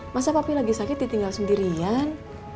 masa papi lagi sakit ditinggal sendirian